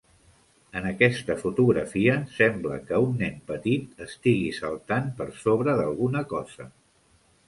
En aquesta fotografia, sembla que un nen petit estigui saltant per sobre d"alguna cosa.